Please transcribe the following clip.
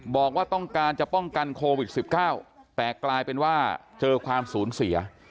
บอกว่าต้องการจะป้องกันโควิด๑๙แต่กลายเป็นว่าเจอความสูญเสีย